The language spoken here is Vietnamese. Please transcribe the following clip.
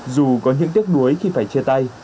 dù có những tiếc đuối khi phải chia tay